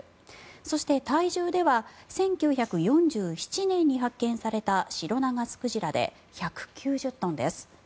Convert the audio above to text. そして、体重では１９４７年に発見されたシロナガスクジラで１９０トンです。